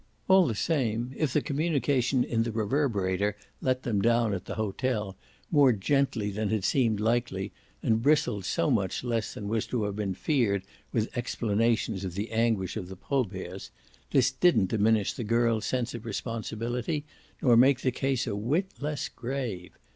All the same, if the communication in the Reverberator let them down, at the hotel, more gently than had seemed likely and bristled so much less than was to have been feared with explanations of the anguish of the Proberts, this didn't diminish the girl's sense of responsibility nor make the case a whit less grave.